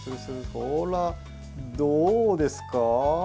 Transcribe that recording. ほら、どうですか？